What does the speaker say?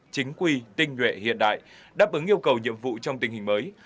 chính quy tinh nhuệ hiện đại đáp ứng yêu cầu nhiệm vụ trong tình hình mới